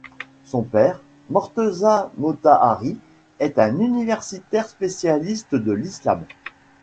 Son père, Morteza Motahhari, est un universitaire spécialiste de l'Islam.